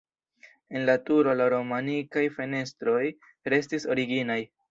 En la turo la romanikaj fenestroj restis originaj.